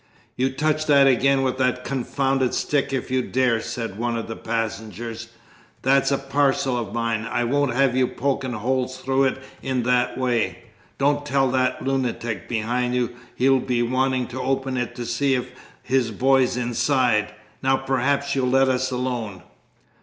"You touch that again with that confounded stick if you dare!" said one of the passengers. "That's a parcel of mine. I won't have you poking holes through it in that way. Don't tell that lunatic behind you, he'll be wanting it opened to see if his boy's inside! Now perhaps you'll let us alone!"